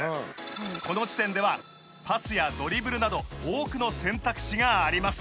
この時点ではパスやドリブルなど多くの選択肢があります。